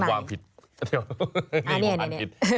เดี๋ยวอันนี้อันนี้